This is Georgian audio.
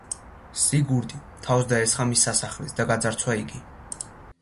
სიგურდი თავს დაესხა მის სასახლეს და გაძარცვა იგი.